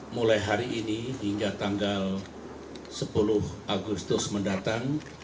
mulai hari ini hingga tanggal sepuluh agustus mendatang